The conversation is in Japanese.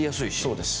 そうです。